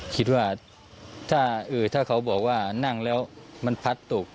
คิดว่าถ้าเขาบอกว่านั่งแล้วมันพัดตก